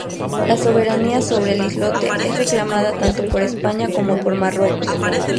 La soberanía sobre el islote es reclamada tanto por España como por Marruecos.